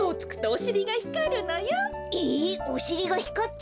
お！